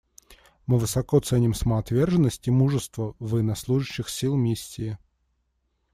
Мы высоко ценим самоотверженность и мужество военнослужащих сил Миссии.